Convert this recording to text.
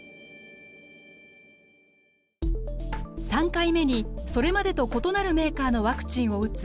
３回目にそれまでと異なるメーカーのワクチンを打つ